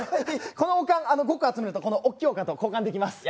この王冠、５個集めるとこのおっきい王冠と交換できます。